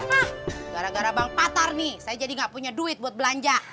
ah gara gara bang patar nih saya jadi nggak punya duit buat belanja